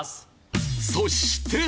そして。